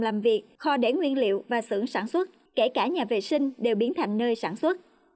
làm việc kho để nguyên liệu và xưởng sản xuất kể cả nhà vệ sinh đều biến thành nơi sản xuất